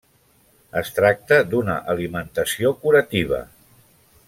Es tracta d'una alimentació curativa.